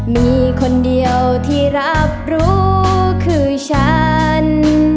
มีคนเดียวที่รับรู้คือฉัน